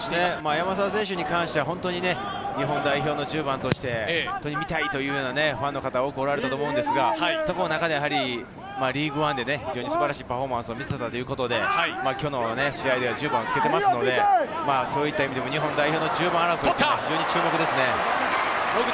山沢選手に関しては日本代表の１０番として見たいというようなファンの方も多くおられたと思うんですが、その中でリーグワンで非常に素晴らしいパフォーマンスを見せたということで、今日の試合では１０番をつけていますので、日本代表の１０番争い、非常に注目ですね。